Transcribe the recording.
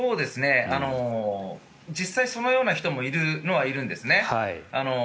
実際、そのような人もいるにはいるんですね。